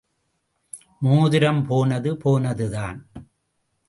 மோதிரம் போனது போனதுதான்.